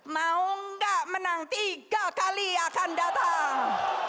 mau nggak menang tiga kali akan datang